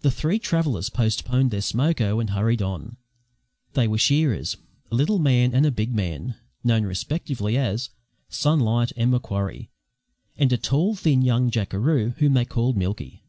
The three travellers postponed their smoke ho and hurried on. They were shearers a little man and a big man, known respectively as "Sunlight" and "Macquarie," and a tall, thin, young jackeroo whom they called "Milky."